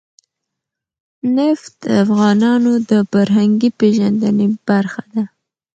نفت د افغانانو د فرهنګي پیژندنې برخه ده.